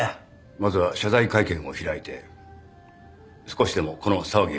まずは謝罪会見を開いて少しでもこの騒ぎを。